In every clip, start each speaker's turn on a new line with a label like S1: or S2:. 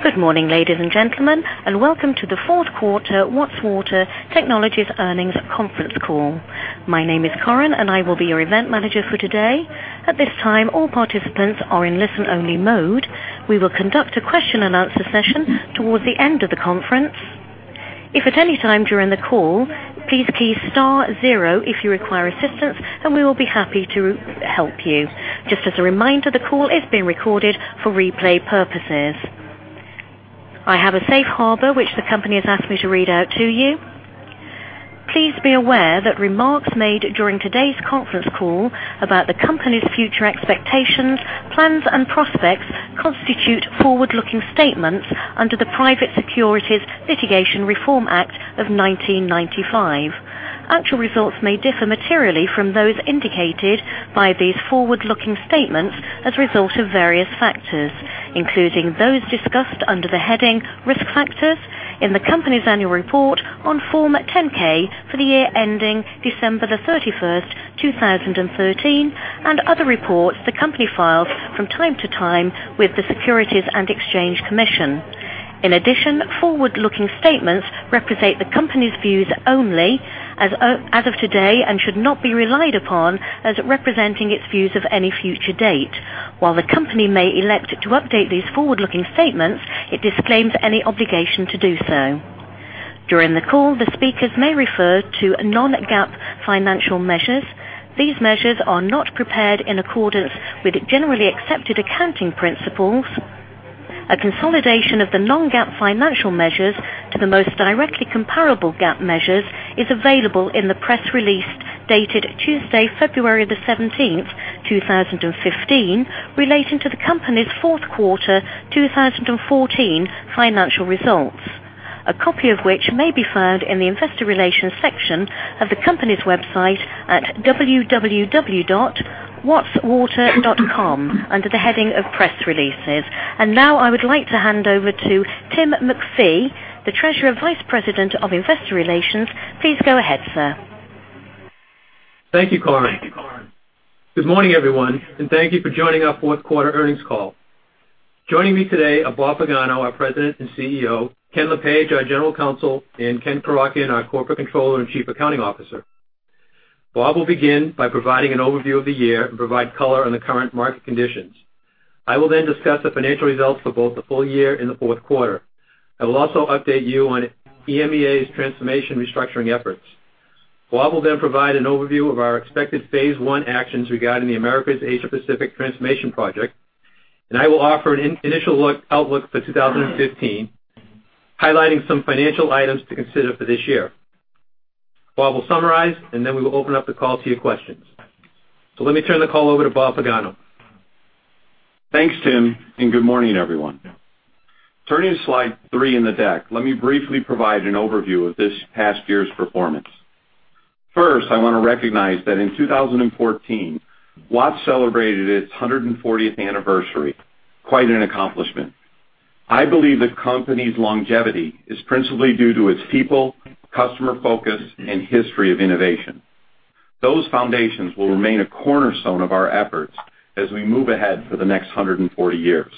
S1: Good morning, ladies and gentlemen, and welcome to the fourth quarter Watts Water Technologies Earnings Conference Call. My name is Corinne, and I will be your event manager for today. At this time, all participants are in listen-only mode. We will conduct a question-and-answer session towards the end of the conference. If at any time during the call, please key star zero if you require assistance, and we will be happy to help you. Just as a reminder, the call is being recorded for replay purposes. I have a safe harbor, which the company has asked me to read out to you. Please be aware that remarks made during today's conference call about the company's future expectations, plans and prospects constitute forward-looking statements under the Private Securities Litigation Reform Act of 1995. Actual results may differ materially from those indicated by these forward-looking statements as a result of various factors, including those discussed under the heading Risk Factors in the company's annual report on Form 10-K for the year ending December 31, 2013, and other reports the company files from time to time with the Securities and Exchange Commission. In addition, forward-looking statements represent the company's views only as, as of today and should not be relied upon as representing its views of any future date. While the company may elect to update these forward-looking statements, it disclaims any obligation to do so. During the call, the speakers may refer to non-GAAP financial measures. These measures are not prepared in accordance with generally accepted accounting principles. A consolidation of the non-GAAP financial measures to the most directly comparable GAAP measures is available in the press release dated Tuesday, February 17, 2015, relating to the company's fourth quarter, 2014 financial results. A copy of which may be found in the Investor Relations section of the company's website at www.wattswater.com under the heading of Press Releases. Now, I would like to hand over to Tim MacPhee, Treasurer and Vice President of Investor Relations. Please go ahead, sir.
S2: Thank you, Corinne. Good morning, everyone, and thank you for joining our fourth quarter earnings call. Joining me today are Bob Pagano, our President and CEO, Ken Lepage, our General Counsel, and Ken Korotkin, our Corporate Controller and Chief Accounting Officer. Bob will begin by providing an overview of the year and provide color on the current market conditions. I will then discuss the financial results for both the full year and the fourth quarter. I will also update you on EMEA's transformation restructuring efforts. Bob will then provide an overview of our expected phase one actions regarding the Americas, Asia Pacific transformation project, and I will offer an initial outlook for 2015, highlighting some financial items to consider for this year. Bob will summarize, and then we will open up the call to your questions. Let me turn the call over to Bob Pagano.
S3: Thanks, Tim, and good morning, everyone. Turning to slide 3 in the deck, let me briefly provide an overview of this past year's performance. First, I want to recognize that in 2014, Watts celebrated its 140th anniversary. Quite an accomplishment. I believe the company's longevity is principally due to its people, customer focus, and history of innovation. Those foundations will remain a cornerstone of our efforts as we move ahead for the next 140 years.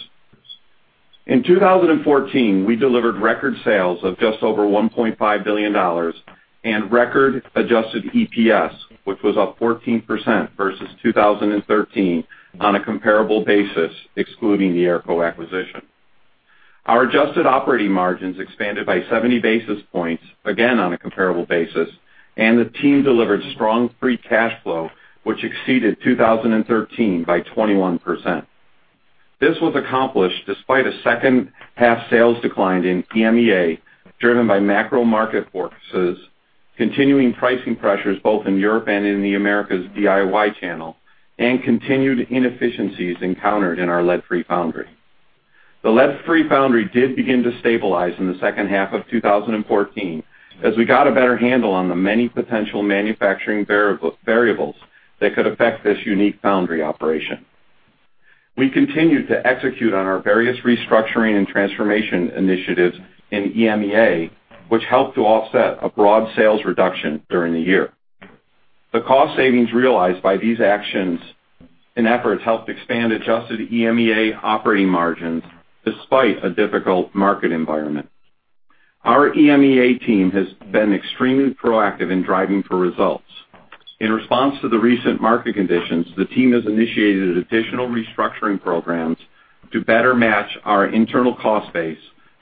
S3: In 2014, we delivered record sales of just over $1.5 billion and record adjusted EPS, which was up 14% versus 2013 on a comparable basis, excluding the AERCO acquisition. Our adjusted operating margins expanded by 70 basis points, again, on a comparable basis, and the team delivered strong free cash flow, which exceeded 2013 by 21%. This was accomplished despite a second-half sales decline in EMEA, driven by macro market forces, continuing pricing pressures both in Europe and in the Americas DIY channel, and continued inefficiencies encountered in our lead-free foundry. The lead-free foundry did begin to stabilize in the second half of 2014, as we got a better handle on the many potential manufacturing variables that could affect this unique foundry operation. We continued to execute on our various restructuring and transformation initiatives in EMEA, which helped to offset a broad sales reduction during the year. The cost savings realized by these actions and efforts helped expand adjusted EMEA operating margins despite a difficult market environment. Our EMEA team has been extremely proactive in driving for results. In response to the recent market conditions, the team has initiated additional restructuring programs to better match our internal cost base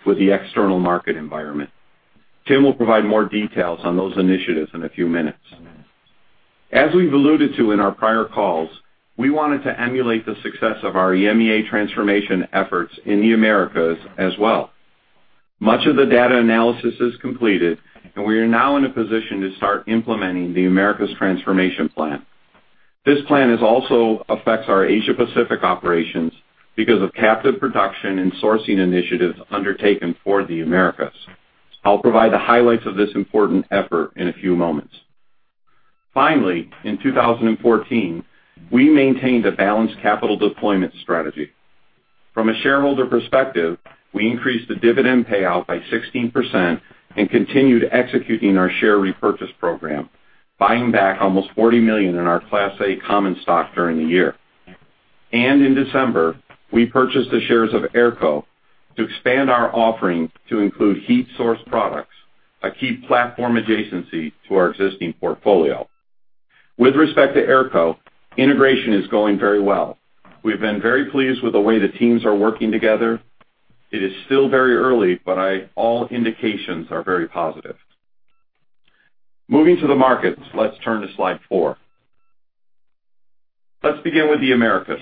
S3: with the external market environment. Tim will provide more details on those initiatives in a few minutes. As we've alluded to in our prior calls, we wanted to emulate the success of our EMEA transformation efforts in the Americas as well. Much of the data analysis is completed, and we are now in a position to start implementing the Americas transformation plan. This plan also affects our Asia Pacific operations because of captive production and sourcing initiatives undertaken for the Americas. I'll provide the highlights of this important effort in a few moments. Finally, in 2014, we maintained a balanced capital deployment strategy. From a shareholder perspective, we increased the dividend payout by 16% and continued executing our share repurchase program, buying back almost $40 million in our Class A common stock during the year. In December, we purchased the shares of AERCO to expand our offering to include heat source products, a key platform adjacency to our existing portfolio. With respect to AERCO, integration is going very well. We've been very pleased with the way the teams are working together. It is still very early, but all indications are very positive. Moving to the markets, let's turn to Slide 4. Let's begin with the Americas.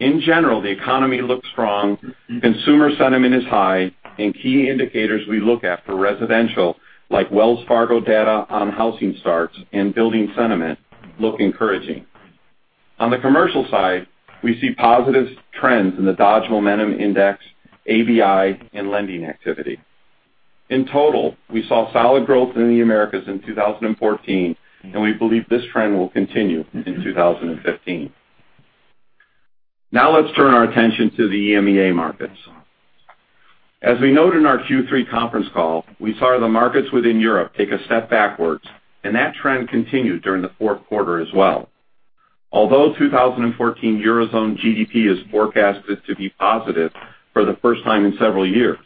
S3: In general, the economy looks strong, consumer sentiment is high, and key indicators we look at for residential, like Wells Fargo data on housing starts and building sentiment, look encouraging. On the commercial side, we see positive trends in the Dodge Momentum Index, ABI, and lending activity. In total, we saw solid growth in the Americas in 2014, and we believe this trend will continue in 2015. Now let's turn our attention to the EMEA markets. As we noted in our Q3 conference call, we saw the markets within Europe take a step backwards, and that trend continued during the fourth quarter as well. Although 2014 Eurozone GDP is forecasted to be positive for the first time in several years,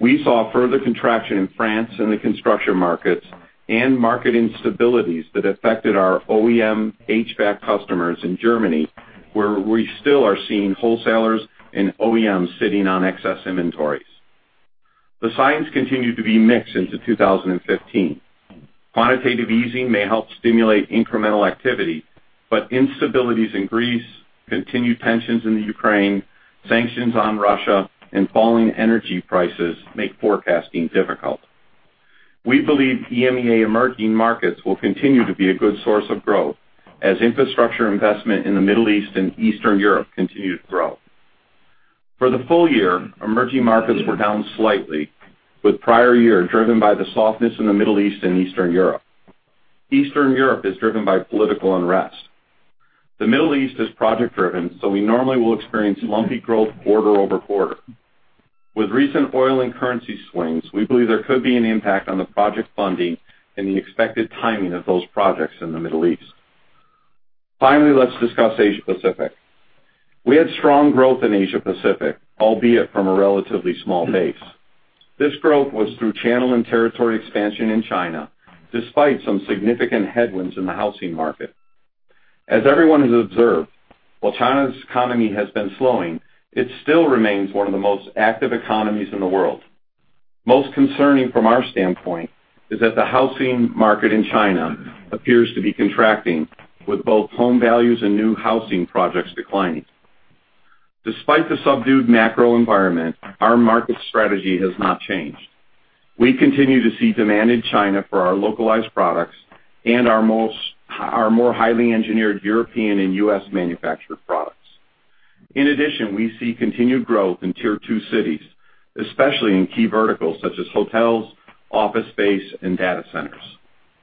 S3: we saw further contraction in France in the construction markets and market instabilities that affected our OEM HVAC customers in Germany, where we still are seeing wholesalers and OEMs sitting on excess inventories. The signs continue to be mixed into 2015. Quantitative easing may help stimulate incremental activity, but instabilities in Greece, continued tensions in Ukraine, sanctions on Russia, and falling energy prices make forecasting difficult. We believe EMEA emerging markets will continue to be a good source of growth as infrastructure investment in the Middle East and Eastern Europe continue to grow. For the full year, emerging markets were down slightly, with prior year driven by the softness in the Middle East and Eastern Europe. Eastern Europe is driven by political unrest. The Middle East is project-driven, so we normally will experience lumpy growth quarter over quarter. With recent oil and currency swings, we believe there could be an impact on the project funding and the expected timing of those projects in the Middle East. Finally, let's discuss Asia Pacific. We had strong growth in Asia Pacific, albeit from a relatively small base. This growth was through channel and territory expansion in China, despite some significant headwinds in the housing market. As everyone has observed, while China's economy has been slowing, it still remains one of the most active economies in the world. Most concerning from our standpoint is that the housing market in China appears to be contracting, with both home values and new housing projects declining. Despite the subdued macro environment, our market strategy has not changed. We continue to see demand in China for our localized products and our more highly engineered European and US-manufactured products. In addition, we see continued growth in Tier 2 cities, especially in key verticals such as hotels, office space, and data centers.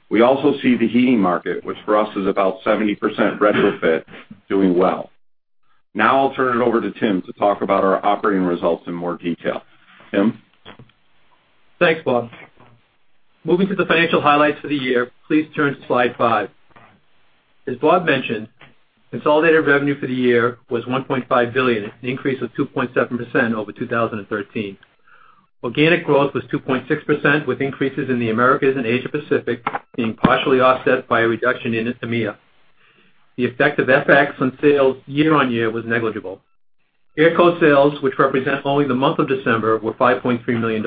S3: We also see the heating market, which for us is about 70% retrofit, doing well. Now I'll turn it over to Tim to talk about our operating results in more detail. Tim?
S2: Thanks, Bob. Moving to the financial highlights for the year, please turn to Slide 5. As Bob mentioned, consolidated revenue for the year was $1.5 billion, an increase of 2.7% over 2013. Organic growth was 2.6%, with increases in the Americas and Asia Pacific being partially offset by a reduction in EMEA. The effect of FX on sales year on year was negligible. AERCO sales, which represent only the month of December, were $5.3 million.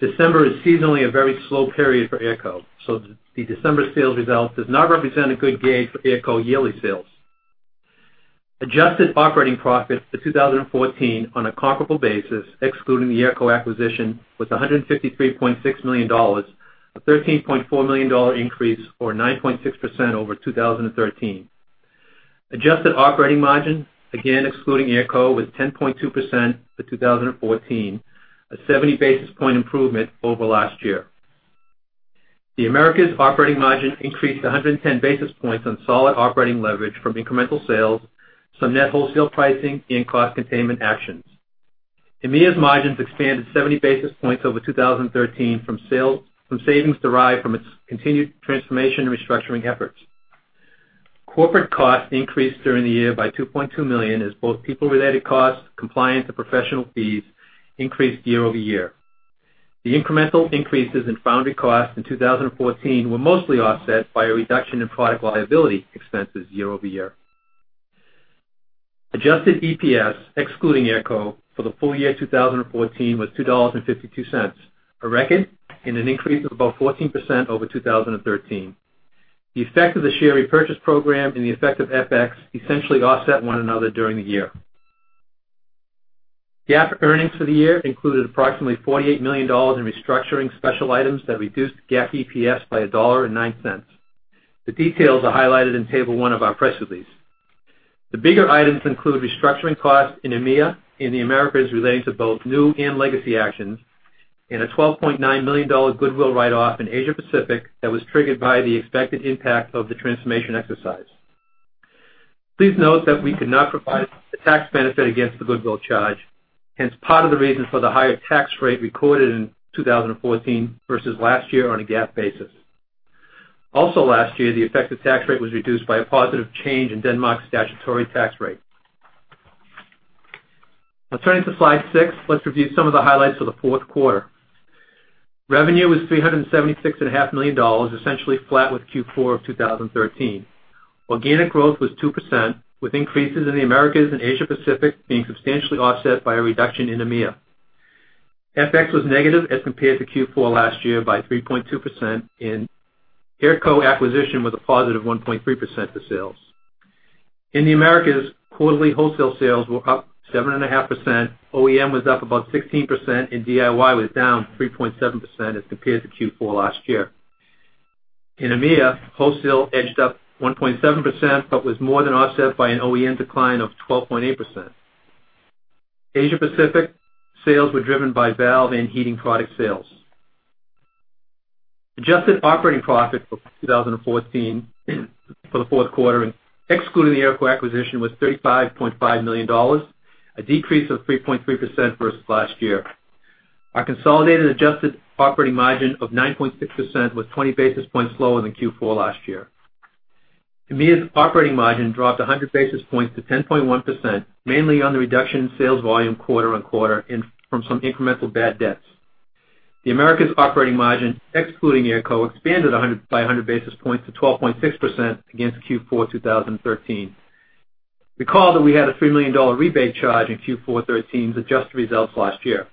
S2: December is seasonally a very slow period for AERCO, so the December sales result does not represent a good gauge for AERCO yearly sales. Adjusted operating profit for 2014 on a comparable basis, excluding the AERCO acquisition, was $153.6 million, a $13.4 million increase, or 9.6% over 2013. Adjusted operating margin, again, excluding AERCO, was 10.2% for 2014, a 70 basis point improvement over last year. The Americas operating margin increased 110 basis points on solid operating leverage from incremental sales, some net wholesale pricing, and cost containment actions. EMEA's margins expanded 70 basis points over 2013 from savings derived from its continued transformation and restructuring efforts. Corporate costs increased during the year by $2.2 million, as both people-related costs, compliance and professional fees increased year over year. The incremental increases in foundry costs in 2014 were mostly offset by a reduction in product liability expenses year-over-year. Adjusted EPS, excluding AERCO, for the full year 2014, was $2.52, a record and an increase of about 14% over 2013. The effect of the share repurchase program and the effect of FX essentially offset one another during the year. GAAP earnings for the year included approximately $48 million in restructuring special items that reduced GAAP EPS by $1.09. The details are highlighted in Table 1 of our press release. The bigger items include restructuring costs in EMEA, in the Americas relating to both new and legacy actions, and a $12.9 million goodwill write-off in Asia Pacific that was triggered by the expected impact of the transformation exercise. Please note that we could not provide the tax benefit against the goodwill charge, hence part of the reason for the higher tax rate recorded in 2014 versus last year on a GAAP basis. Also last year, the effective tax rate was reduced by a positive change in Denmark's statutory tax rate. Now, turning to Slide 6, let's review some of the highlights for the fourth quarter. Revenue was $376.5 million, essentially flat with Q4 of 2013. Organic growth was 2%, with increases in the Americas and Asia Pacific being substantially offset by a reduction in EMEA. FX was negative as compared to Q4 last year by 3.2%, and AERCO acquisition was a positive 1.3% to sales. In the Americas, quarterly wholesale sales were up 7.5%, OEM was up about 16%, and DIY was down 3.7% as compared to Q4 last year. In EMEA, wholesale edged up 1.7%, but was more than offset by an OEM decline of 12.8%. Asia Pacific sales were driven by valve and heating product sales. Adjusted operating profit for 2014, for the fourth quarter, and excluding the AERCO acquisition, was $35.5 million, a decrease of 3.3% versus last year. Our consolidated adjusted operating margin of 9.6% was 20 basis points lower than Q4 last year. EMEA's operating margin dropped 100 basis points to 10.1%, mainly on the reduction in sales volume quarter-over-quarter and from some incremental bad debts. The Americas operating margin, excluding AERCO, expanded by 100 basis points to 12.6% against Q4 2013. Recall that we had a $3 million rebate charge in Q4 2013 to adjust the results last year.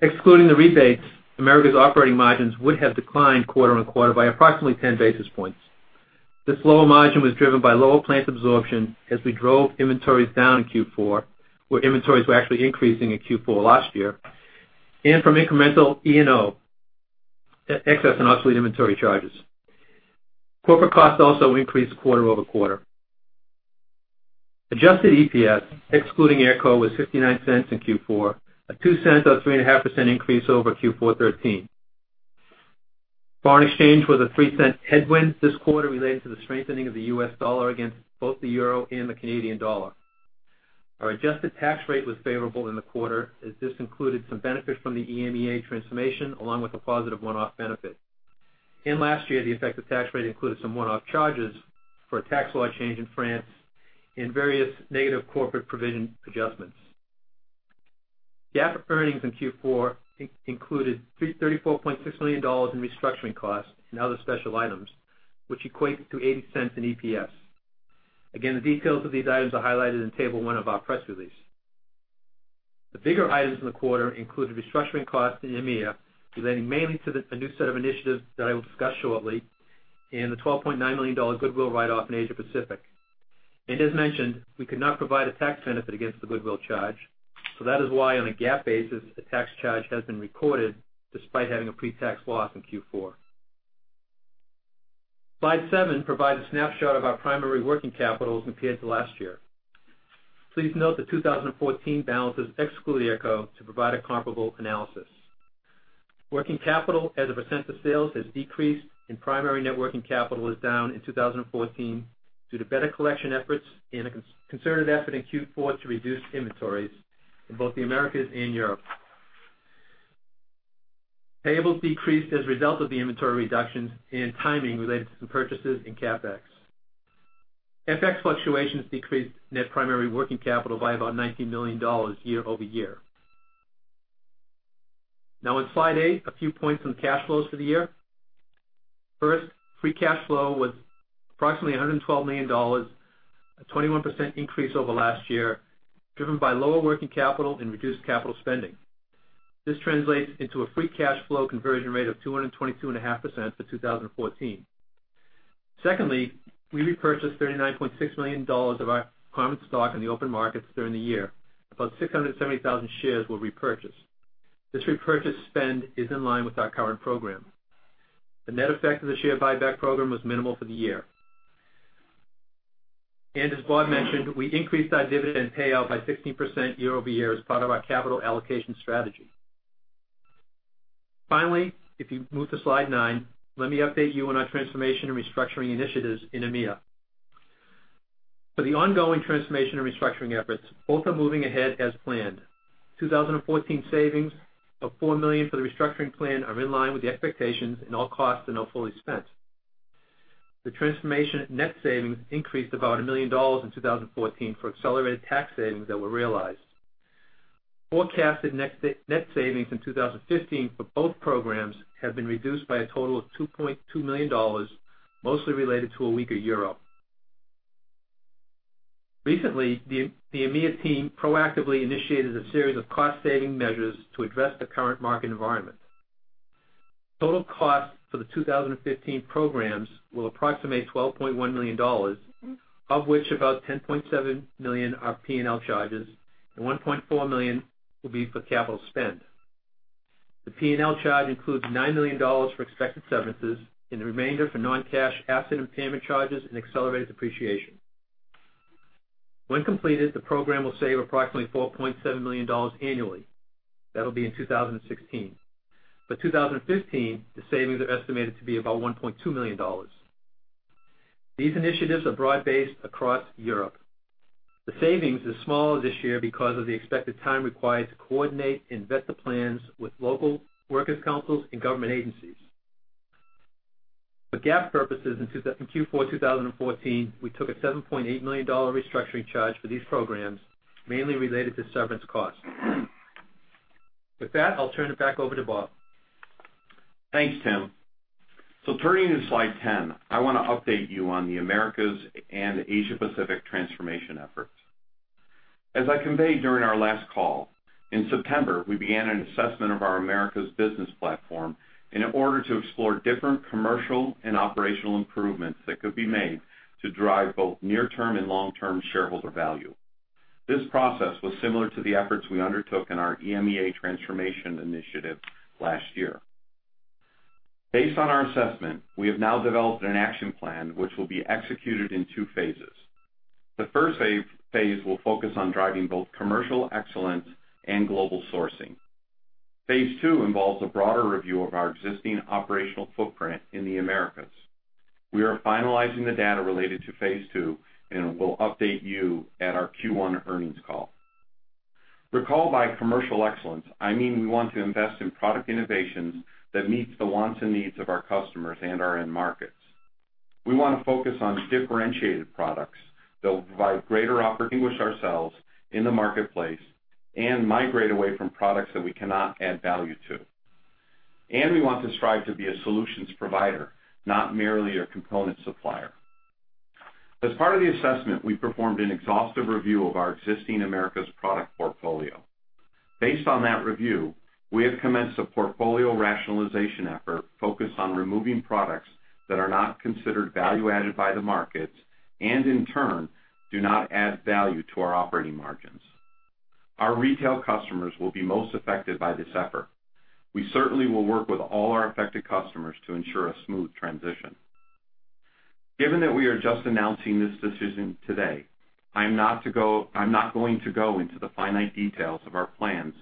S2: Excluding the rebates, Americas operating margins would have declined quarter-over-quarter by approximately 10 basis points. This lower margin was driven by lower plant absorption as we drove inventories down in Q4, where inventories were actually increasing in Q4 last year, and from incremental E&O, excess and obsolete inventory charges. Corporate costs also increased quarter-over-quarter. Adjusted EPS, excluding AERCO, was $0.59 in Q4, a $0.02 or 3.5% increase over Q4 2013. Foreign exchange was a $0.03 headwind this quarter related to the strengthening of the US dollar against both the Euro and the Canadian dollar. Our adjusted tax rate was favorable in the quarter, as this included some benefits from the EMEA transformation, along with a positive one-off benefit. In last year, the effective tax rate included some one-off charges for a tax law change in France and various negative corporate provision adjustments. GAAP earnings in Q4 included $34.6 million in restructuring costs and other special items, which equates to $0.80 in EPS. Again, the details of these items are highlighted in Table 1 of our press release. The bigger items in the quarter include the restructuring costs in EMEA, relating mainly to a new set of initiatives that I will discuss shortly, and the $12.9 million goodwill write-off in Asia Pacific. As mentioned, we could not provide a tax benefit against the goodwill charge, so that is why, on a GAAP basis, a tax charge has been recorded despite having a pretax loss in Q4. Slide 7 provides a snapshot of our primary working capital as compared to last year. Please note the 2014 balances exclude AERCO to provide a comparable analysis. Working capital as a percent of sales has decreased, and primary net working capital is down in 2014 due to better collection efforts and a concerted effort in Q4 to reduce inventories in both the Americas and Europe. Payables decreased as a result of the inventory reductions and timing related to some purchases in CapEx. FX fluctuations decreased net primary working capital by about $19 million year-over-year. Now, in Slide 8, a few points on cash flows for the year. First, free cash flow was approximately $112 million, a 21% increase over last year, driven by lower working capital and reduced capital spending. This translates into a free cash flow conversion rate of 222.5% for 2014. Secondly, we repurchased $39.6 million of our common stock in the open markets during the year. About 670,000 shares were repurchased. This repurchase spend is in line with our current program. The net effect of the share buyback program was minimal for the year. As Bob mentioned, we increased our dividend payout by 16% year-over-year as part of our capital allocation strategy. Finally, if you move to Slide 9, let me update you on our transformation and restructuring initiatives in EMEA. For the ongoing transformation and restructuring efforts, both are moving ahead as planned. 2014 savings of $4 million for the restructuring plan are in line with the expectations, and all costs are now fully spent. The transformation net savings increased about $1 million in 2014 for accelerated tax savings that were realized. Forecasted net savings in 2015 for both programs have been reduced by a total of $2.2 million, mostly related to a weaker Euro. Recently, the EMEA team proactively initiated a series of cost-saving measures to address the current market environment. Total costs for the 2015 programs will approximate $12.1 million, of which about $10.7 million are P&L charges and $1.4 million will be for capital spend. The P&L charge includes $9 million for expected severances and the remainder for non-cash asset impairment charges and accelerated depreciation. When completed, the program will save approximately $4.7 million annually. That'll be in 2016. But 2015, the savings are estimated to be about $1.2 million. These initiatives are broad-based across Europe. The savings is smaller this year because of the expected time required to coordinate and vet the plans with local workers, councils, and government agencies. For GAAP purposes, in Q4 2014, we took a $7.8 million restructuring charge for these programs, mainly related to severance costs. With that, I'll turn it back over to Bob.
S3: Thanks, Tim. So turning to slide 10, I wanna update you on the Americas and Asia Pacific transformation efforts. As I conveyed during our last call, in September, we began an assessment of our Americas business platform in order to explore different commercial and operational improvements that could be made to drive both near-term and long-term shareholder value. This process was similar to the efforts we undertook in our EMEA transformation initiative last year. Based on our assessment, we have now developed an action plan, which will be executed in two phases. The first phase will focus on driving both commercial excellence and global sourcing. Phase two involves a broader review of our existing operational footprint in the Americas. We are finalizing the data related to phase two, and we'll update you at our Q1 earnings call. Recall, by commercial excellence, I mean, we want to invest in product innovations that meets the wants and needs of our customers and our end markets. We want to focus on differentiated products that will provide greater opportunity with ourselves in the marketplace and migrate away from products that we cannot add value to. We want to strive to be a solutions provider, not merely a component supplier. As part of the assessment, we performed an exhaustive review of our existing Americas product portfolio. Based on that review, we have commenced a portfolio rationalization effort focused on removing products that are not considered value-added by the markets, and in turn, do not add value to our operating margins. Our retail customers will be most affected by this effort. We certainly will work with all our affected customers to ensure a smooth transition. Given that we are just announcing this decision today, I'm not going to go into the finite details of our plans,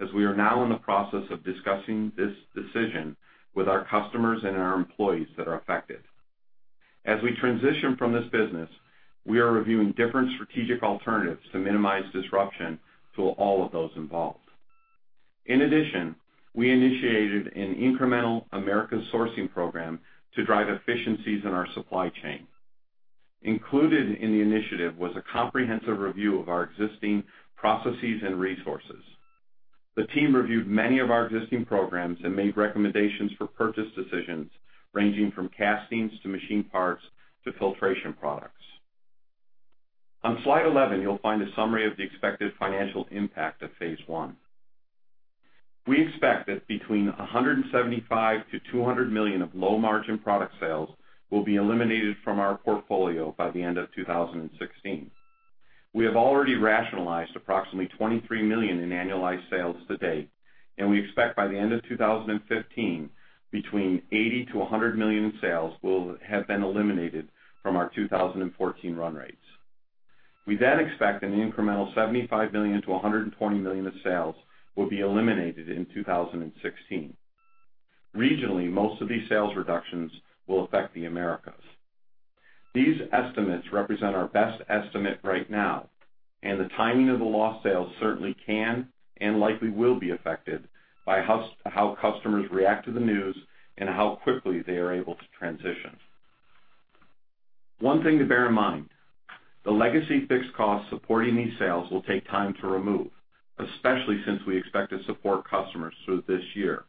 S3: as we are now in the process of discussing this decision with our customers and our employees that are affected. As we transition from this business, we are reviewing different strategic alternatives to minimize disruption to all of those involved. In addition, we initiated an incremental Americas sourcing program to drive efficiencies in our supply chain. Included in the initiative was a comprehensive review of our existing processes and resources. The team reviewed many of our existing programs and made recommendations for purchase decisions, ranging from castings, to machine parts, to filtration products. On slide 11, you'll find a summary of the expected financial impact of phase one. We expect that between $175million-$200 million of low-margin product sales will be eliminated from our portfolio by the end of 2016. We have already rationalized approximately $23 million in annualized sales to date, and we expect by the end of 2015, between $80million-$100 million in sales will have been eliminated from our 2014 run rates. We then expect an incremental $75million-$120 million of sales will be eliminated in 2016. Regionally, most of these sales reductions will affect the Americas. These estimates represent our best estimate right now, and the timing of the lost sales certainly can and likely will be affected by how customers react to the news and how quickly they are able to transition. One thing to bear in mind, the legacy fixed costs supporting these sales will take time to remove, especially since we expect to support customers through this year.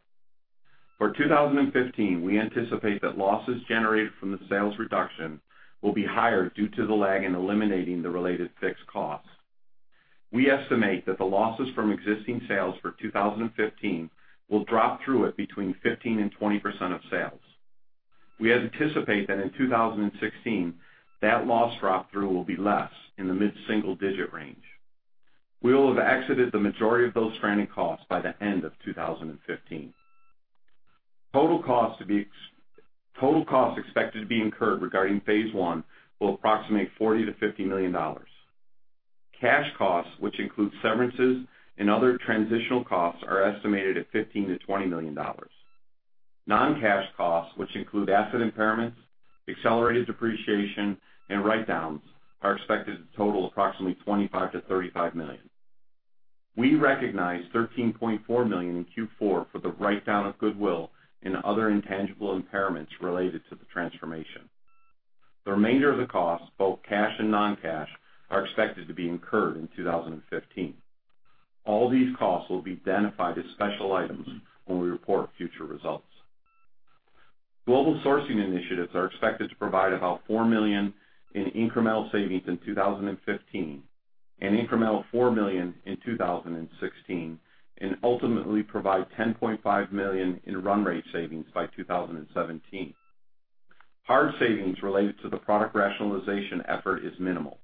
S3: For 2015, we anticipate that losses generated from the sales reduction will be higher due to the lag in eliminating the related fixed costs. We estimate that the losses from existing sales for 2015 will drop through it between 15%-20% of sales. We anticipate that in 2016, that loss drop-through will be less, in the mid-single-digit range. We will have exited the majority of those stranded costs by the end of 2015. Total costs expected to be incurred regarding phase one will approximate $40 million-$50 million. Cash costs, which include severances and other transitional costs, are estimated at $15million-$20 million. Non-cash costs, which include asset impairments, accelerated depreciation, and write-downs, are expected to total approximately $25million-$35 million. We recognized $13.4 million in Q4 for the write-down of goodwill and other intangible impairments related to the transformation. The remainder of the costs, both cash and non-cash, are expected to be incurred in 2015. All these costs will be identified as special items when we report future results. Global sourcing initiatives are expected to provide about $4 million in incremental savings in 2015, and incremental $4 million in 2016, and ultimately provide $10.5 million in run rate savings by 2017. Hard savings related to the product rationalization effort is minimal.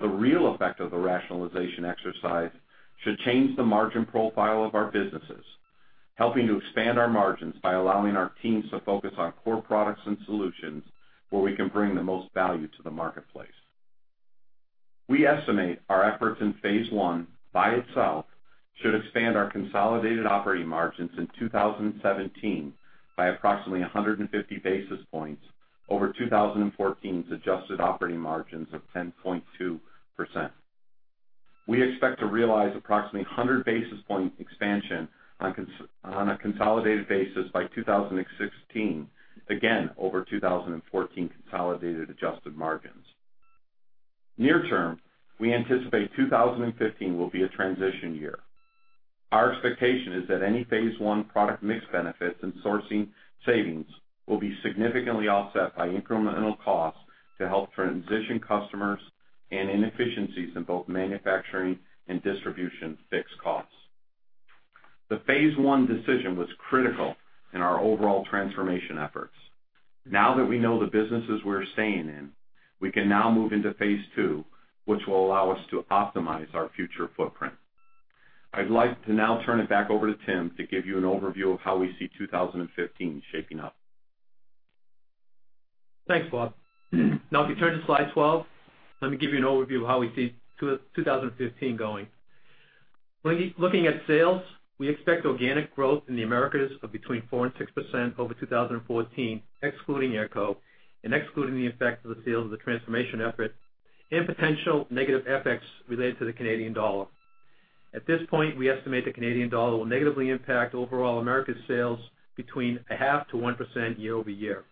S3: The real effect of the rationalization exercise should change the margin profile of our businesses, helping to expand our margins by allowing our teams to focus on core products and solutions where we can bring the most value to the marketplace. We estimate our efforts in phase one, by itself, should expand our consolidated operating margins in 2017 by approximately 150 basis points over 2014's adjusted operating margins of 10.2%. We expect to realize approximately 100 basis point expansion on a consolidated basis by 2016, again, over 2014 consolidated adjusted margins. Near term, we anticipate 2015 will be a transition year. Our expectation is that any phase one product mix benefits and sourcing savings will be significantly offset by incremental costs to help transition customers and inefficiencies in both manufacturing and distribution fixed costs. The phase one decision was critical in our overall transformation efforts. Now that we know the businesses we're staying in, we can now move into phase two, which will allow us to optimize our future footprint. I'd like to now turn it back over to Tim to give you an overview of how we see 2015 shaping up.
S2: Thanks, Bob. Now, if you turn to slide 12, let me give you an overview of how we see 2015 going. Looking at sales, we expect organic growth in the Americas of between 4% and 6% over 2014, excluding AERCO and excluding the effects of the sales of the transformation effort and potential negative FX related to the Canadian dollar. At this point, we estimate the Canadian dollar will negatively impact overall Americas sales between 0.5% and 1% year-over-year.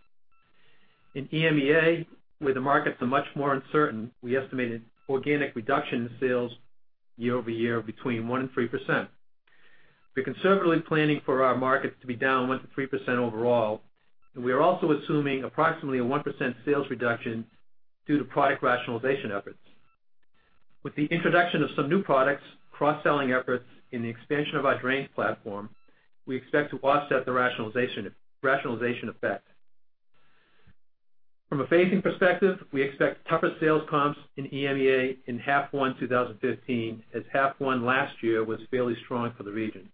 S2: In EMEA, where the markets are much more uncertain, we estimated organic reduction in sales year-over-year between 1% and 3%. We're conservatively planning for our markets to be down 1%-3% overall, and we are also assuming approximately a 1% sales reduction due to product rationalization efforts. With the introduction of some new products, cross-selling efforts, and the expansion of our drains platform, we expect to offset the rationalization effect. From a phasing perspective, we expect tougher sales comps in EMEA in the first half of 2015, as the first half last year was fairly strong for the region.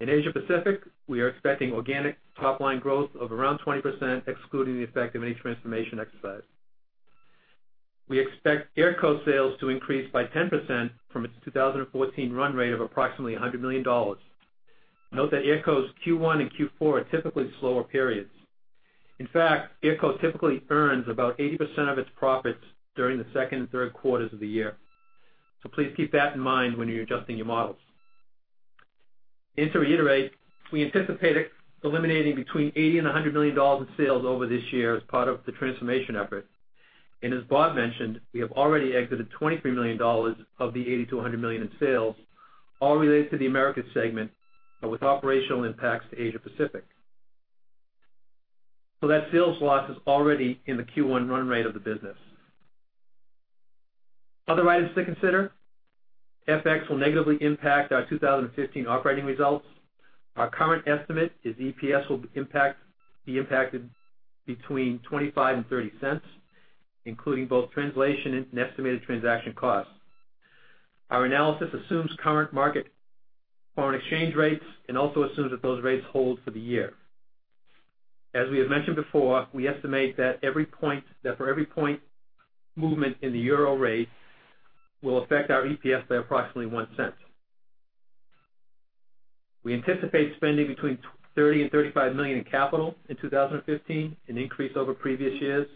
S2: In Asia Pacific, we are expecting organic top-line growth of around 20%, excluding the effect of any transformation exercise. We expect AERCO sales to increase by 10% from its 2014 run rate of approximately $100 million. Note that AERCO's Q1 and Q4 are typically slower periods. In fact, AERCO typically earns about 80% of its profits during the second and third quarters of the year. So please keep that in mind when you're adjusting your models. To reiterate, we anticipate eliminating between $80 million and $100 million in sales over this year as part of the transformation effort. As Bob mentioned, we have already exited $23 million of the $80 million to $100 million in sales, all related to the Americas segment, but with operational impacts to Asia Pacific. So that sales loss is already in the Q1 run rate of the business. Other items to consider, FX will negatively impact our 2015 operating results. Our current estimate is EPS will be impacted between $0.25 and $0.30, including both translation and estimated transaction costs. Our analysis assumes current market foreign exchange rates and also assumes that those rates hold for the year. As we have mentioned before, we estimate that every point movement in the Euro rate will affect our EPS by approximately $0.01. We anticipate spending between $30million-$35 million in capital in 2015, an increase over previous years,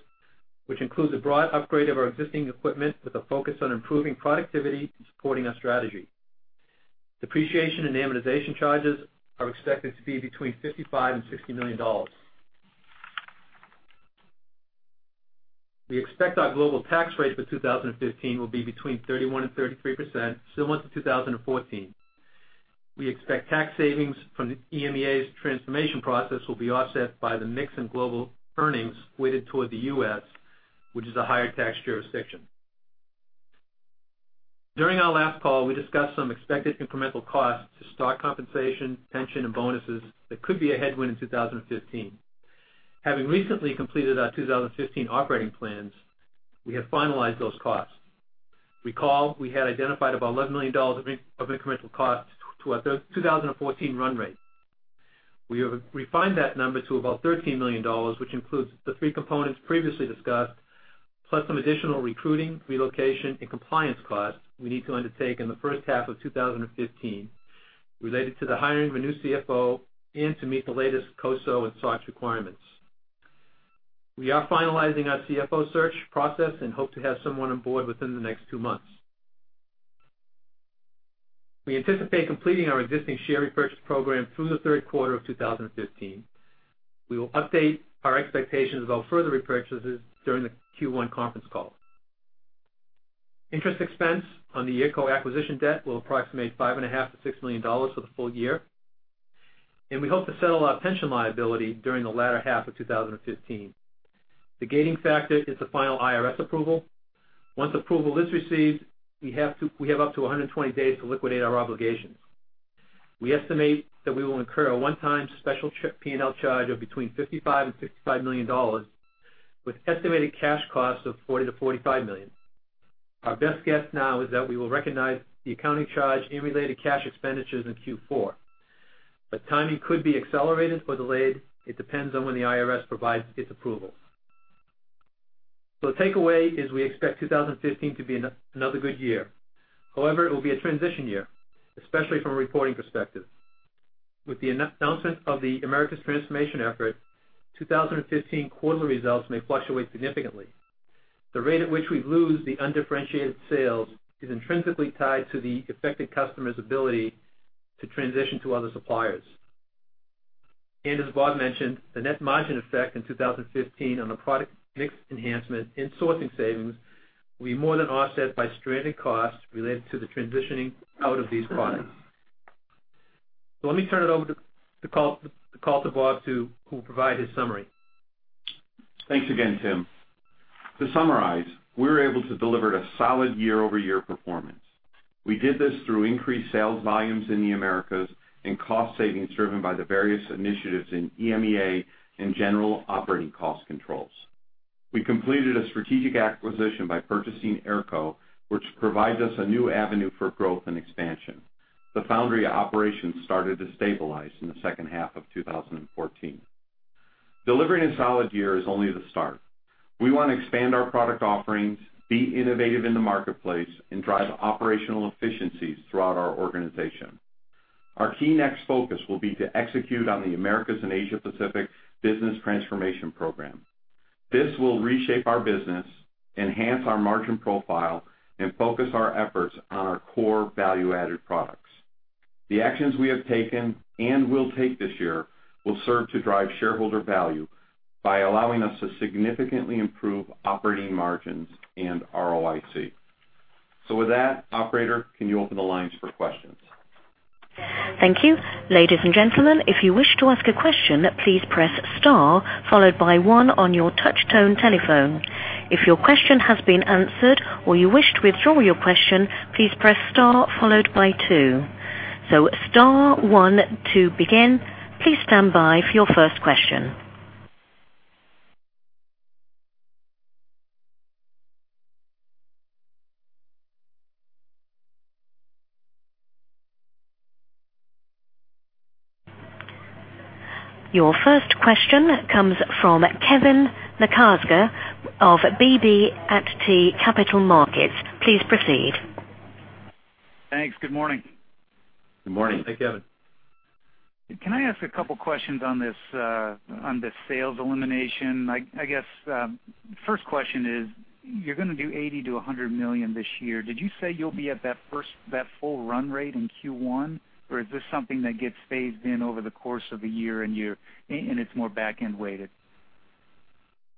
S2: which includes a broad upgrade of our existing equipment with a focus on improving productivity and supporting our strategy. Depreciation and amortization charges are expected to be between $55million-$60 million. We expect our global tax rate for 2015 will be between 31%-33%, similar to 2014. We expect tax savings from the EMEA's transformation process will be offset by the mix in global earnings weighted toward the U.S., which is a higher tax jurisdiction. During our last call, we discussed some expected incremental costs to stock compensation, pension, and bonuses that could be a headwind in 2015. Having recently completed our 2015 operating plans, we have finalized those costs. Recall, we had identified about $11 million of incremental costs to our 2014 run rate. We have refined that number to about $13 million, which includes the three components previously discussed, plus some additional recruiting, relocation, and compliance costs we need to undertake in the first half of 2015, related to the hiring of a new CFO and to meet the latest COSO and SOX requirements. We are finalizing our CFO search process and hope to have someone on board within the next two months. We anticipate completing our existing share repurchase program through the third quarter of 2015. We will update our expectations about further repurchases during the Q1 conference call. Interest expense on the AERCO acquisition debt will approximate $5.5 million-$6 million for the full year, and we hope to settle our pension liability during the latter half of 2015. The gating factor is the final IRS approval. Once approval is received, we have up to 120 days to liquidate our obligations. We estimate that we will incur a one-time special settlement P&L charge of between $55 million and $65 million, with estimated cash costs of $40 million-$45 million. Our best guess now is that we will recognize the accounting charge and related cash expenditures in Q4, but timing could be accelerated or delayed. It depends on when the IRS provides its approval. So the takeaway is we expect 2015 to be another good year. However, it will be a transition year, especially from a reporting perspective. With the announcement of the Americas transformation effort, 2015 quarterly results may fluctuate significantly. The rate at which we lose the undifferentiated sales is intrinsically tied to the affected customer's ability to transition to other suppliers. And as Bob mentioned, the net margin effect in 2015 on the product mix enhancement and sourcing savings will be more than offset by stranded costs related to the transitioning out of these products. So let me turn it over to Bob, who will provide his summary.
S3: Thanks again, Tim. To summarize, we were able to deliver a solid year-over-year performance. We did this through increased sales volumes in the Americas and cost savings driven by the various initiatives in EMEA and general operating cost controls. We completed a strategic acquisition by purchasing AERCO, which provides us a new avenue for growth and expansion. The foundry operations started to stabilize in the second half of 2014. Delivering a solid year is only the start. We want to expand our product offerings, be innovative in the marketplace, and drive operational efficiencies throughout our organization. Our key next focus will be to execute on the Americas and Asia Pacific business transformation program. This will reshape our business, enhance our margin profile, and focus our efforts on our core value-added products. The actions we have taken and will take this year will serve to drive shareholder value by allowing us to significantly improve operating margins and ROIC. So with that, operator, can you open the lines for questions?
S1: Thank you. Ladies and gentlemen, if you wish to ask a question, please press star, followed by one on your touchtone telephone. If your question has been answered or you wish to withdraw your question, please press star followed by two. So star one to begin. Please stand by for your first question. Your first question comes from Kevin Maczka of BB&T Capital Markets. Please proceed.
S4: Thanks. Good morning.
S3: Good morning.
S2: Hey, Kevin.
S4: Can I ask a couple of questions on this, on this sales elimination? I guess, first question is: You're going to do $80 million-$100 million this year. Did you say you'll be at that full run rate in Q1? Or is this something that gets phased in over the course of a year, and it's more back-end weighted?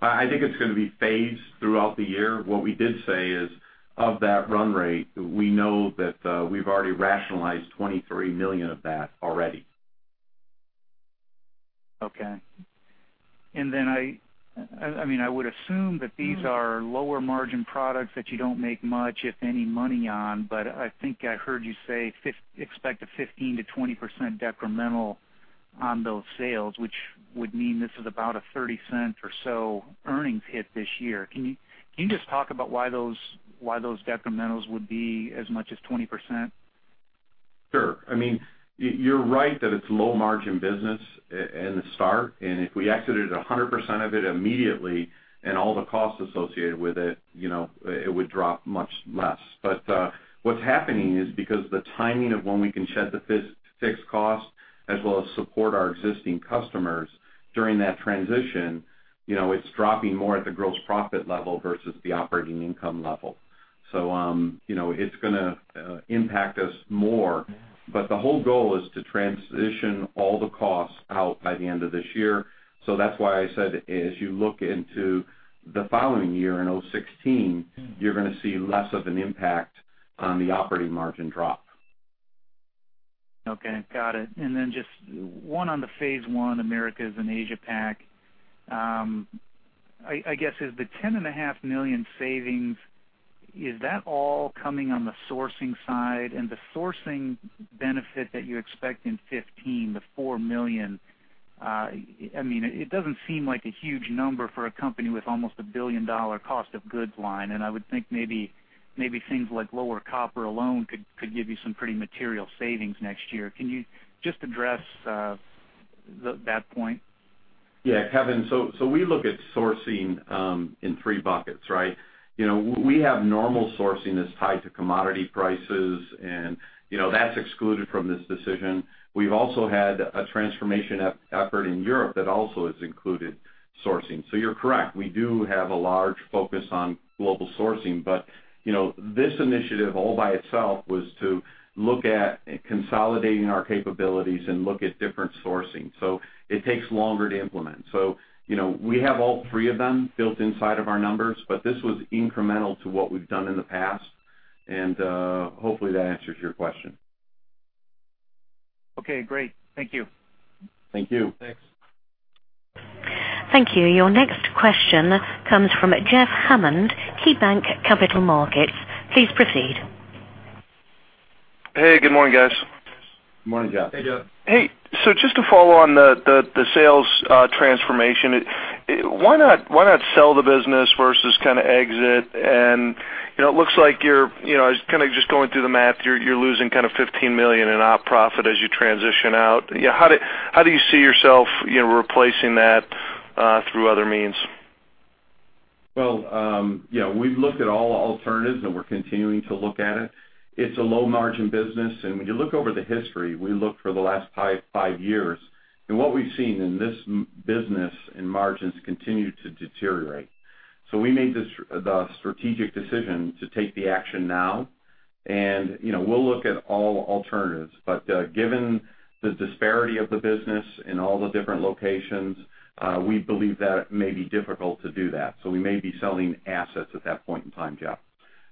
S3: I think it's going to be phased throughout the year. What we did say is, of that run rate, we know that, we've already rationalized $23 million of that already.
S4: Okay. And then I mean, I would assume that these are lower-margin products that you don't make much, if any, money on, but I think I heard you say expect a 15%-20% decremental on those sales, which would mean this is about a $0.30 or so earnings hit this year. Can you just talk about why those decrementals would be as much as 20%?
S3: Sure. I mean, you're right that it's low-margin business at the start, and if we exited 100% of it immediately and all the costs associated with it, you know, it would drop much less. But, what's happening is because the timing of when we can shed the fixed costs, as well as support our existing customers during that transition, you know, it's dropping more at the gross profit level versus the operating income level. So, you know, it's going to impact us more. But the whole goal is to transition all the costs out by the end of this year. So that's why I said, as you look into the following year, in 2016, you're going to see less of an impact on the operating margin drop.
S4: Okay, got it. And then just one on the phase one, Americas and Asia Pac. I guess, is the $10.5 million savings, is that all coming on the sourcing side? And the sourcing benefit that you expect in 2015, the $4 million, I mean, it doesn't seem like a huge number for a company with almost a billion-dollar cost of goods line. And I would think maybe, maybe things like lower copper alone could, could give you some pretty material savings next year. Can you just address that point?
S3: Yeah, Kevin. So we look at sourcing in three buckets, right? You know, we have normal sourcing that's tied to commodity prices, and, you know, that's excluded from this decision. We've also had a transformation effort in Europe that also has included sourcing. So you're correct, we do have a large focus on global sourcing, but, you know, this initiative, all by itself, was to look at consolidating our capabilities and look at different sourcing. So it takes longer to implement. So, you know, we have all three of them built inside of our numbers, but this was incremental to what we've done in the past, and hopefully, that answers your question.
S4: Okay, great. Thank you.
S3: Thank you.
S2: Thanks.
S1: Thank you. Your next question comes from Jeff Hammond, KeyBanc Capital Markets. Please proceed.
S5: Hey, good morning, guys.
S3: Good morning, Jeff.
S2: Hey, Jeff.
S5: Hey, so just to follow on the sales transformation, why not sell the business versus kind of exit? And, you know, it looks like you're, you know, kind of just going through the math, you're losing kind of $15 million in op profit as you transition out. Yeah, how do you see yourself, you know, replacing that through other means?
S3: Well, yeah, we've looked at all alternatives, and we're continuing to look at it. It's a low-margin business, and when you look over the history, we look for the last five years, and what we've seen in this business and margins continue to deteriorate. So we made the strategic decision to take the action now, and, you know, we'll look at all alternatives. But, given the disparity of the business in all the different locations, we believe that it may be difficult to do that, so we may be selling assets at that point in time, Jeff.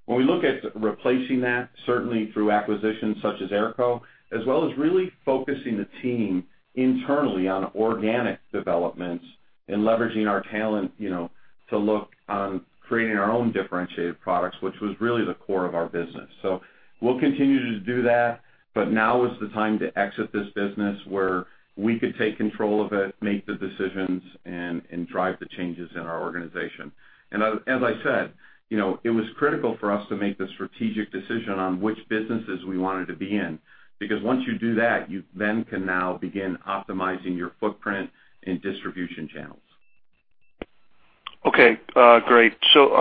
S3: When we look at replacing that, certainly through acquisitions such as Aerco, as well as really focusing the team internally on organic developments and leveraging our talent, you know, to look on creating our own differentiated products, which was really the core of our business. So we'll continue to do that, but now is the time to exit this business where we could take control of it, make the decisions, and drive the changes in our organization. And as I said, you know, it was critical for us to make the strategic decision on which businesses we wanted to be in. Because once you do that, you then can now begin optimizing your footprint and distribution channels.
S5: Okay, great. So,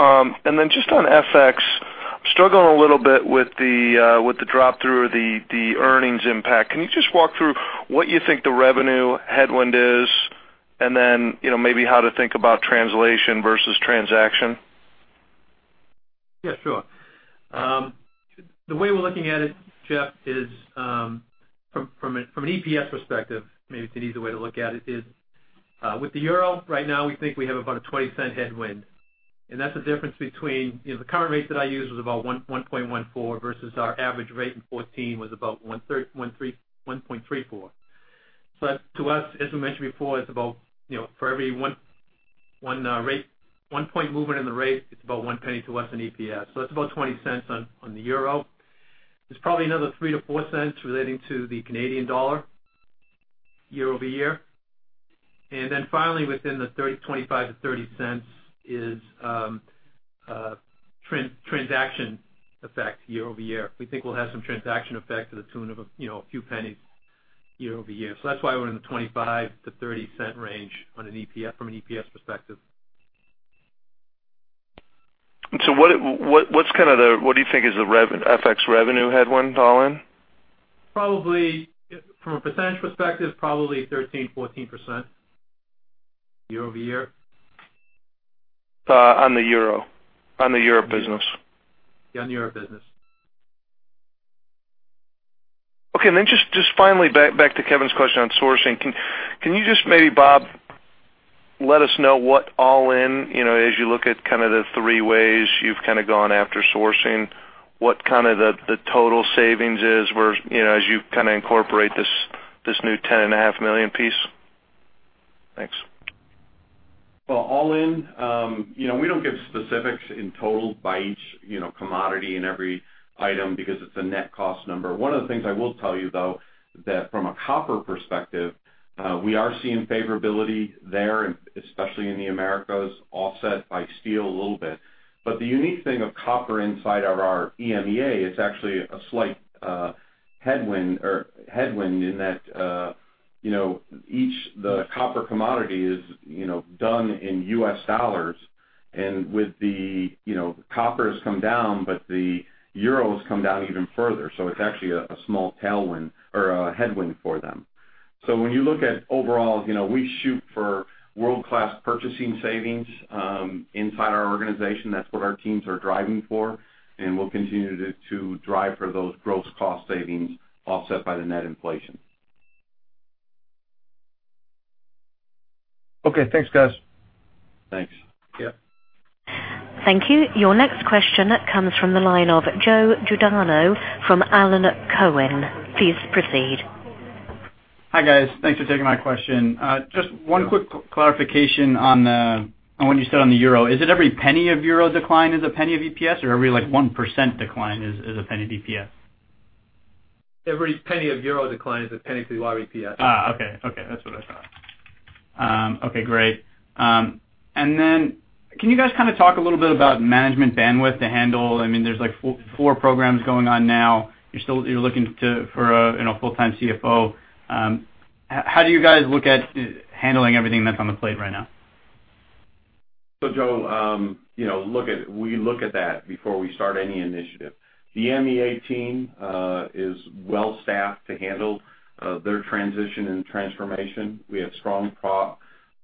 S5: and then just on FX, struggling a little bit with the, with the drop through or the, the earnings impact. Can you just walk through what you think the revenue headwind is, and then, you know, maybe how to think about translation versus transaction?
S2: Yeah, sure. The way we're looking at it, Jeff, is from an EPS perspective, maybe it's an easier way to look at it, is with the Euro, right now, we think we have about a $0.20 headwind. And that's the difference between, you know, the current rate that I used was about 1.14, versus our average rate in 2014 was about 1.34. So to us, as we mentioned before, it's about, you know, for every one point movement in the rate, it's about $0.01 to us in EPS. So it's about $0.20 on the Euro. There's probably another $0.03-$0.04 relating to the Canadian dollar year-over-year. Then finally, within the $0.25-$0.30 is transaction effect year over year. We think we'll have some transaction effect to the tune of, you know, a few pennies year over year. So that's why we're in the $0.25-$0.30-cent range on an EPS—from an EPS perspective.
S5: What do you think is the rev-FX revenue headwind all in?
S2: Probably, from a percentage perspective, probably 13%-14% year-over-year.
S5: On the Euro, on the Euro business?
S2: Yeah, on the Euro business.
S5: Okay, and then just finally, back to Kevin's question on sourcing. Can you just maybe, Bob, let us know what, all in, you know, as you look at kind of the three ways you've kind of gone after sourcing, what kind of the total savings is where, you know, as you kind of incorporate this new $10.5 million piece? Thanks.
S3: Well, all in, you know, we don't give specifics in total by each, you know, commodity and every item because it's a net cost number. One of the things I will tell you, though, that from a copper perspective, we are seeing favorability there, especially in the Americas, offset by steel a little bit. But the unique thing of copper inside of our EMEA, it's actually a slight headwind or headwind in that, you know, the copper commodity is, you know, done in US dollars, and with the, you know, copper has come down, but the Euro's come down even further, so it's actually a small tailwind or a headwind for them. So when you look at overall, you know, we shoot for world-class purchasing savings inside our organization. That's what our teams are driving for, and we'll continue to drive for those gross cost savings, offset by the net inflation.
S5: Okay, thanks, guys.
S3: Thanks.
S2: Yeah.
S1: Thank you. Your next question comes from the line of Joe Giordano from Cowen and Company. Please proceed.
S6: Hi, guys. Thanks for taking my question. Just one quick clarification on the, on what you said on the Euro. Is it every penny of Euro decline is a penny of EPS, or every, like, 1% decline is a penny of EPS?
S2: Every penny of Euro decline is a penny to our EPS.
S6: Okay. Okay, that's what I thought. Okay, great. And then can you guys kind of talk a little bit about management bandwidth to handle... I mean, there's, like, four programs going on now. You're looking to, for a, you know, full-time CFO. How do you guys look at handling everything that's on the plate right now?
S3: So, Joe, you know, we look at that before we start any initiative. The EMEA team is well staffed to handle their transition and transformation. We have strong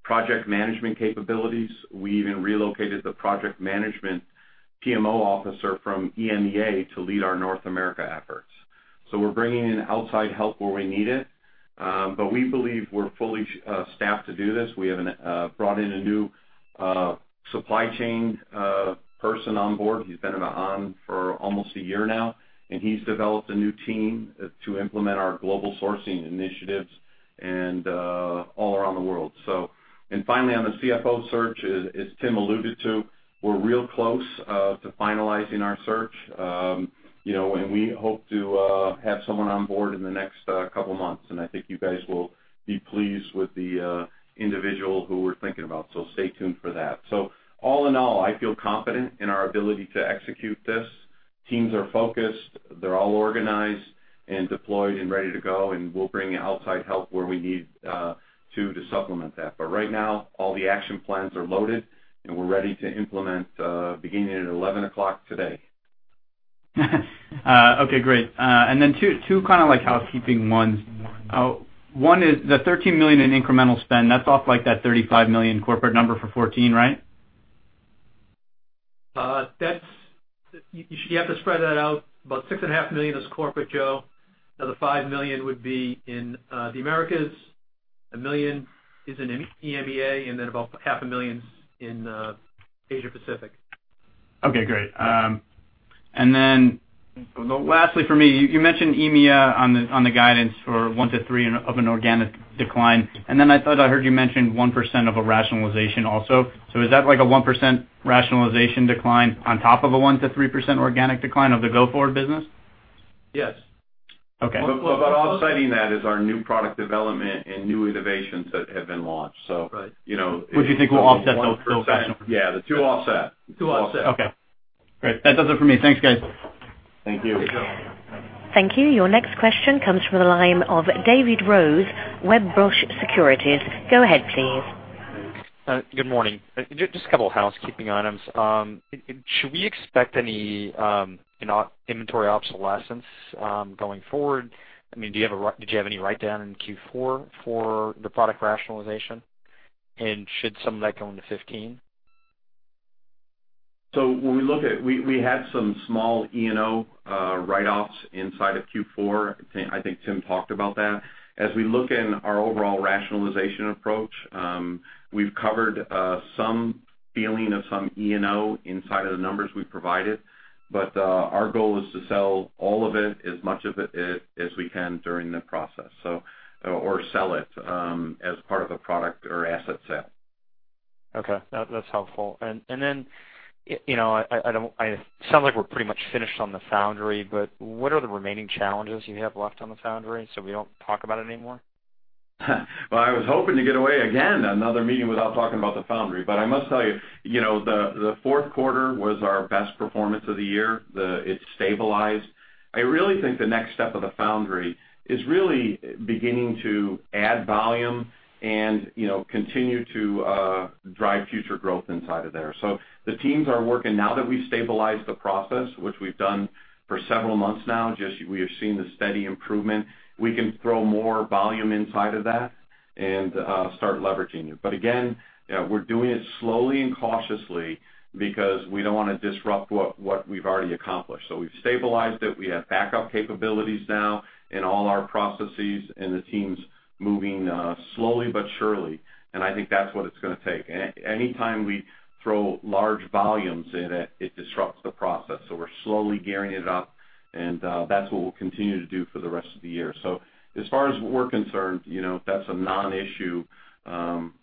S3: project management capabilities. We even relocated the project management PMO officer from EMEA to lead our North America efforts. So we're bringing in outside help where we need it, but we believe we're fully staffed to do this. We have brought in a new supply chain person on board. He's been on for almost a year now, and he's developed a new team to implement our global sourcing initiatives and all around the world. And finally, on the CFO search, as Tim alluded to, we're real close to finalizing our search. You know, and we hope to have someone on board in the next couple of months, and I think you guys will be pleased with the individual who we're thinking about. So stay tuned for that. So all in all, I feel confident in our ability to execute this. Teams are focused, they're all organized and deployed and ready to go, and we'll bring in outside help where we need to supplement that. But right now, all the action plans are loaded, and we're ready to implement beginning at 11 o'clock today.
S6: Okay, great. And then two kind of, like, housekeeping ones. One is the $13 million in incremental spend, that's off, like, that $35 million corporate number for 14, right?
S2: You have to spread that out. About $6.5 million is corporate, Joe. Now, the $5 million would be in the Americas, $1 million is in EMEA, and then about $0.5 million is in Asia Pacific.
S6: Okay, great. And then lastly for me, you, you mentioned EMEA on the, on the guidance for 1%-3% organic decline, and then I thought I heard you mention 1% of a rationalization also. So is that like a 1% rationalization decline on top of a 1%-3% organic decline of the go-forward business?
S2: Yes.
S6: Okay.
S3: But offsetting that is our new product development and new innovations that have been launched. So-
S6: Right.
S3: You know-
S6: Which you think will offset those percent?
S3: Yeah, the two offset.
S2: The two offset.
S6: Okay. Great. That does it for me. Thanks, guys.
S3: Thank you.
S2: Thank you.
S1: Thank you. Your next question comes from the line of David Rose, Wedbush Securities. Go ahead, please.
S7: Good morning. Just a couple of housekeeping items. Should we expect any, you know, inventory obsolescence, going forward? I mean, did you have any write-down in Q4 for the product rationalization? And should some of that go into 2015?
S3: So when we look at, we had some small E&O write-offs inside of Q4. I think Tim talked about that. As we look in our overall rationalization approach, we've covered some feeling of some E&O inside of the numbers we provided, but our goal is to sell all of it, as much of it as we can during the process, so or sell it as part of the product or asset set.
S7: Okay, that's helpful. And then, you know, I don't. It sounds like we're pretty much finished on the foundry, but what are the remaining challenges you have left on the foundry, so we don't talk about it anymore?
S3: Well, I was hoping to get away again, another meeting without talking about the foundry. But I must tell you, you know, the fourth quarter was our best performance of the year. It's stabilized. I really think the next step of the foundry is really beginning to add volume and, you know, continue to drive future growth inside of there. So the teams are working. Now that we've stabilized the process, which we've done for several months now, just we have seen the steady improvement, we can throw more volume inside of that and start leveraging it. But again, we're doing it slowly and cautiously because we don't want to disrupt what we've already accomplished. So we've stabilized it. We have backup capabilities now in all our processes and the teams moving slowly but surely, and I think that's what it's gonna take. Anytime we throw large volumes in it, it disrupts the process. So we're slowly gearing it up, and that's what we'll continue to do for the rest of the year. So as far as we're concerned, you know, that's a non-issue,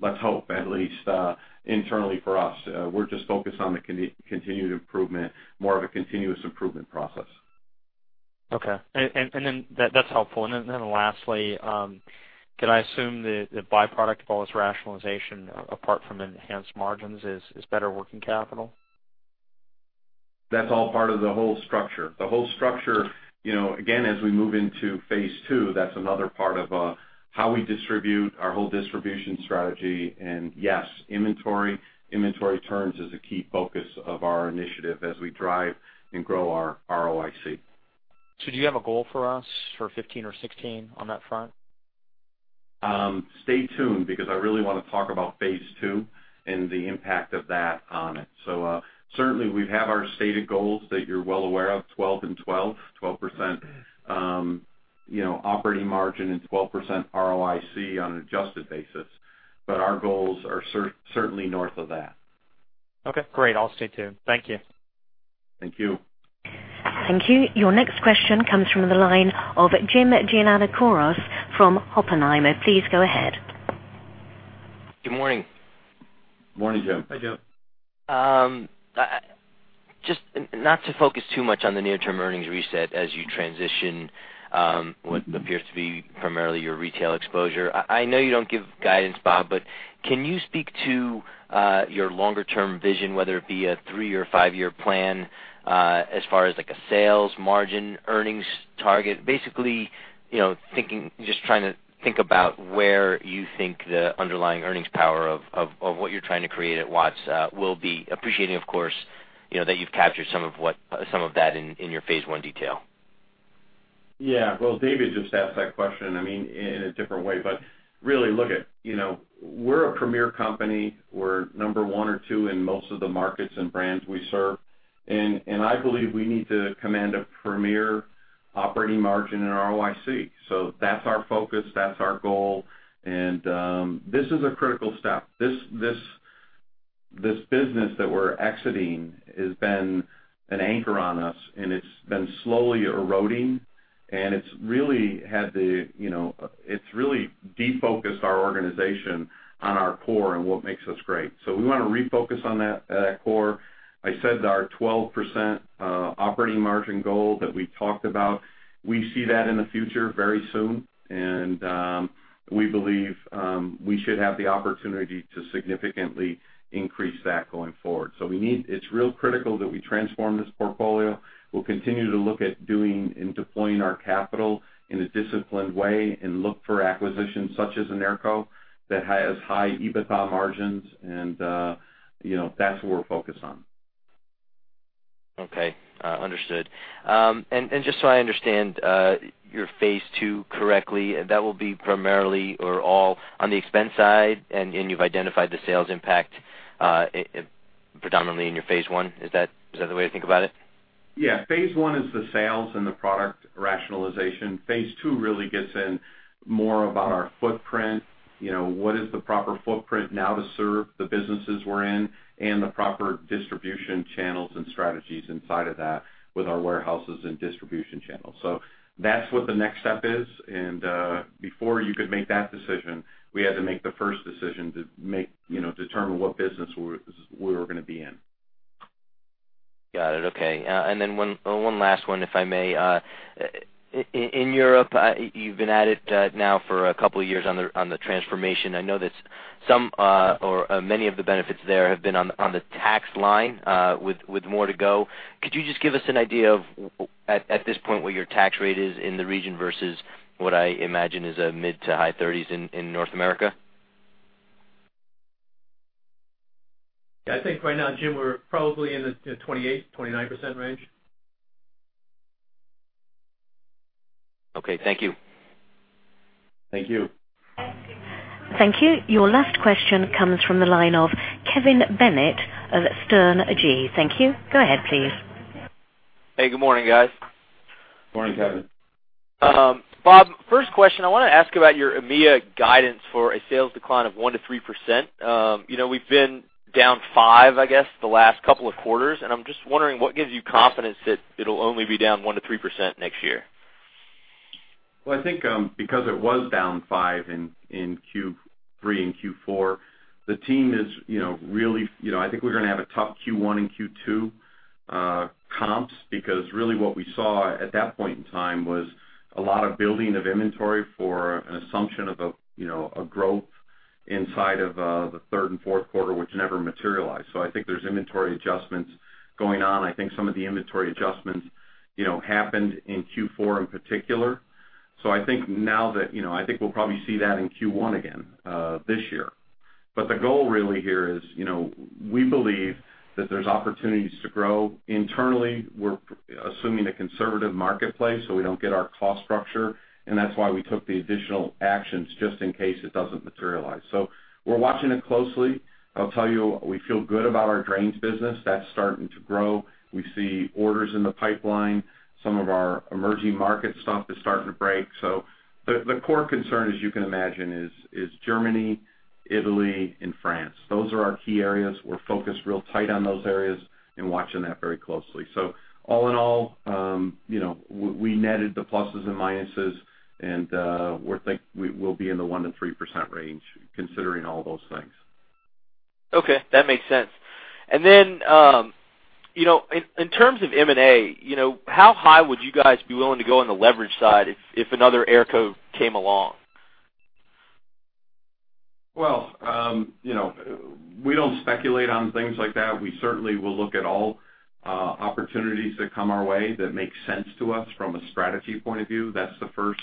S3: let's hope, at least, internally for us. We're just focused on the continued improvement, more of a continuous improvement process.
S7: Okay. And then that's helpful. And then lastly, can I assume that the byproduct of all this rationalization, apart from enhanced margins, is better working capital?
S3: That's all part of the whole structure. The whole structure, you know, again, as we move into phase two, that's another part of how we distribute our whole distribution strategy. And yes, inventory, inventory turns is a key focus of our initiative as we drive and grow our ROIC.
S7: Do you have a goal for us for 2015 or 2016 on that front?
S3: Stay tuned, because I really want to talk about phase two and the impact of that on it. So, certainly, we have our stated goals that you're well aware of, 12 and 12, 12% operating margin and 12% ROIC on an adjusted basis, but our goals are certainly north of that.
S7: Okay, great. I'll stay tuned. Thank you.
S3: Thank you.
S1: Thank you. Your next question comes from the line of Jim Giannakouros from Oppenheimer. Please go ahead.
S8: Good morning.
S3: Morning, Jim.
S2: Hi, Jim.
S8: Just not to focus too much on the near-term earnings reset as you transition, what appears to be primarily your retail exposure. I know you don't give guidance, Bob, but can you speak to your longer-term vision, whether it be a three or five year plan, as far as, like, a sales margin, earnings target? Basically, you know, thinking, just trying to think about where you think the underlying earnings power of what you're trying to create at Watts will be. Appreciating, of course, you know, that you've captured some of that in your phase one detail.
S3: Yeah. Well, David just asked that question, I mean, in a different way. But really, look at, you know, we're a premier company. We're number one or two in most of the markets and brands we serve, and I believe we need to command a premier operating margin in our ROIC. So that's our focus, that's our goal, and this is a critical step. This business that we're exiting has been an anchor on us, and it's been slowly eroding, and it's really had the, you know, it's really defocused our organization on our core and what makes us great. So we wanna refocus on that core. I said our 12% operating margin goal that we talked about, we see that in the future very soon. And we believe we should have the opportunity to significantly increase that going forward. So we need it's real critical that we transform this portfolio. We'll continue to look at doing and deploying our capital in a disciplined way and look for acquisitions such as AERCO, that has high EBITDA margins, and, you know, that's what we're focused on.
S8: Okay, understood. And, and just so I understand, your phase two correctly, that will be primarily or all on the expense side, and, and you've identified the sales impact, predominantly in your phase one. Is that, is that the way to think about it?
S3: Yeah. Phase one is the sales and the product rationalization. Phase two really gets in more about our footprint. You know, what is the proper footprint now to serve the businesses we're in, and the proper distribution channels and strategies inside of that with our warehouses and distribution channels. So that's what the next step is, and, before you could make that decision, we had to make the first decision to make, you know, determine what business we're, we were gonna be in.
S8: Got it, okay. And then one last one, if I may. In Europe, you've been at it now for a couple of years on the transformation. I know that some or many of the benefits there have been on the tax line, with more to go. Could you just give us an idea of, at this point, where your tax rate is in the region versus what I imagine is a mid- to high thirties in North America?
S2: Yeah, I think right now, Jim, we're probably in the 28%-29% range.
S8: Okay, thank you.
S3: Thank you.
S1: Thank you. Your last question comes from the line of Kevin Bennett of Sterne Agee. Thank you. Go ahead, please.
S9: Hey, good morning, guys.
S3: Morning, Kevin.
S9: Bob, first question, I wanna ask about your EMEA guidance for a sales decline of 1%-3%. You know, we've been down 5%, I guess, the last couple of quarters, and I'm just wondering, what gives you confidence that it'll only be down 1%-3% next year?
S3: Well, I think, because it was down five in Q3 and Q4, the team is, you know, really... You know, I think we're gonna have a tough Q1 and Q2 comps, because really what we saw at that point in time was a lot of building of inventory for an assumption of a, you know, a growth inside of the third and fourth quarter, which never materialized. So I think there's inventory adjustments going on. I think some of the inventory adjustments, you know, happened in Q4 in particular. So I think now that, you know, I think we'll probably see that in Q1 again this year. But the goal really here is, you know, we believe that there's opportunities to grow internally. We're assuming a conservative marketplace, so we don't get our cost structure, and that's why we took the additional actions just in case it doesn't materialize. So we're watching it closely. I'll tell you, we feel good about our drains business. That's starting to grow. We see orders in the pipeline. Some of our emerging market stuff is starting to break. So the core concern, as you can imagine, is Germany, Italy, and France. Those are our key areas. We're focused real tight on those areas and watching that very closely. So all in all, you know, we netted the pluses and minuses, and we think we'll be in the 1%-3% range, considering all those things.
S9: Okay, that makes sense. And then, you know, in terms of M&A, you know, how high would you guys be willing to go on the leverage side if another AERCO came along?
S3: Well, you know, we don't speculate on things like that. We certainly will look at all opportunities that come our way that make sense to us from a strategy point of view. That's the first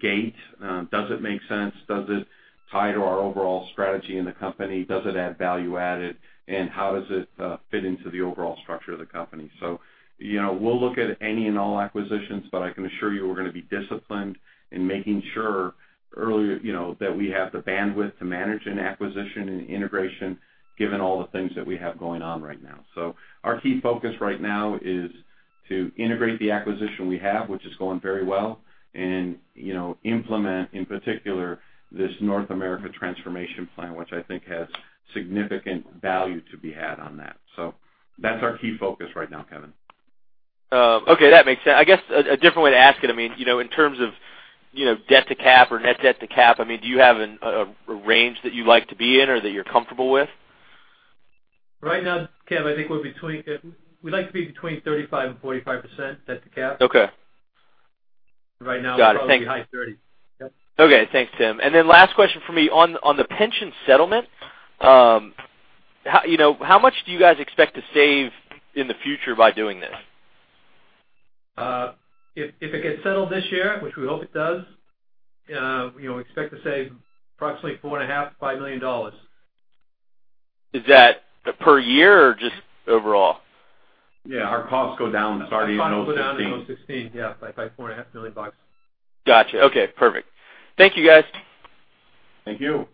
S3: gate. Does it make sense? Does it tie to our overall strategy in the company? Does it add value added, and how does it fit into the overall structure of the company? So, you know, we'll look at any and all acquisitions, but I can assure you we're gonna be disciplined in making sure you know, that we have the bandwidth to manage an acquisition and integration, given all the things that we have going on right now. So our key focus right now is to integrate the acquisition we have, which is going very well, and, you know, implement, in particular, this North America transformation plan, which I think has significant value to be had on that. So that's our key focus right now, Kevin.
S9: Okay, that makes sense. I guess a different way to ask it, I mean, you know, in terms of, you know, debt to cap or net debt to cap, I mean, do you have a range that you'd like to be in or that you're comfortable with?
S2: Right now, Kevin, I think we're between... We'd like to be between 35% and 45% debt to cap.
S9: Okay.
S2: Right now-
S9: Got it.
S2: We're probably high 30.
S9: Okay, thanks, Tim. And then last question for me. On the pension settlement, you know, how much do you guys expect to save in the future by doing this?
S2: If it gets settled this year, which we hope it does, you know, we expect to save approximately $4.5 million-$5 million.
S9: Is that per year or just overall?
S3: Yeah, our costs go down starting in 2016.
S2: Costs go down in 2016, yeah, by $4.5 million.
S9: Gotcha. Okay, perfect. Thank you, guys.
S3: Thank you.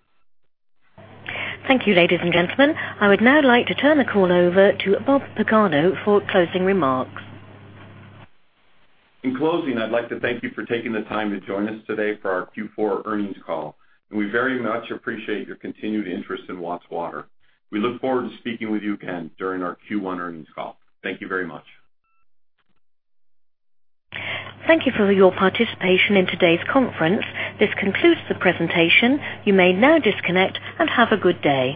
S1: Thank you, ladies and gentlemen. I would now like to turn the call over to Bob Pagano for closing remarks.
S3: In closing, I'd like to thank you for taking the time to join us today for our Q4 earnings call, and we very much appreciate your continued interest in Watts Water. We look forward to speaking with you again during our Q1 earnings call. Thank you very much.
S1: Thank you for your participation in today's conference. This concludes the presentation. You may now disconnect and have a good day.